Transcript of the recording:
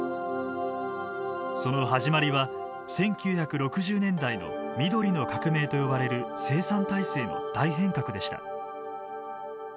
その始まりは１９６０年代の緑の革命と呼ばれる生産体制の大変革でした。